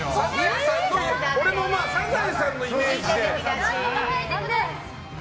俺も「サザエさん」のイメージ。